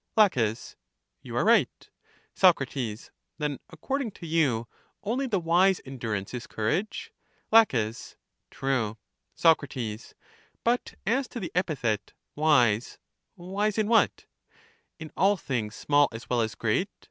La. You are right. ^ Soc. Then, according to you, only the wise endur ance is courage? La. True. Soc. But as to the epithet " wise," — wise in what? In all things small as well as great?